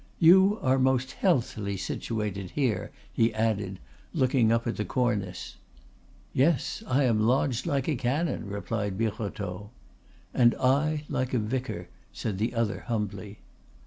You are most healthily situated here," he added, looking up at the cornice. "Yes; I am lodged like a canon," replied Birotteau. "And I like a vicar," said the other, humbly.